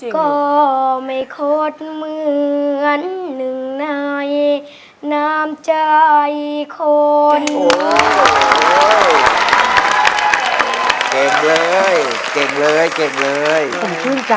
ก็ไม่คดเหมือนหนึ่งในน้ำใจคน